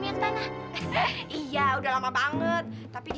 lihat dia udah jadi anak yang baik